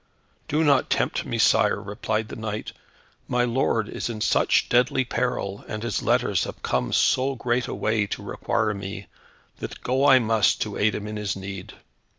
"Do not tempt me, sire," replied the knight. "My lord is in such deadly peril, and his letters have come so great a way to require me, that go I must to aid him in his need.